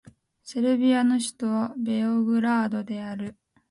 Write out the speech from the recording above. セルビアの首都はベオグラードである